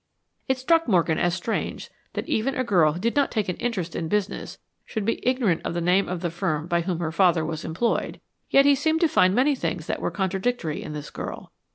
It struck Morgan as strange that even a girl who did not take an interest in business should be ignorant of the name of the firm by whom her father was employed, yet he seemed to find many things that were contradictory in this girl.